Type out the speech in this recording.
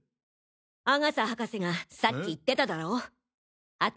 阿笠博士がさっき言ってただろ？え？